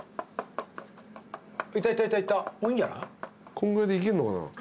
こんぐらいでいけんのかな？